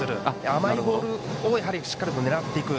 甘いボールをしっかり狙っていく。